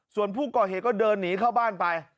ส่วนผู้ก่อเหตุก็เดินหนีเข้าบ้านไป